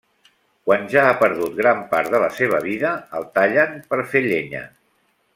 Quan ja ha perdut gran part de la seva vida, el tallen per fer llenya.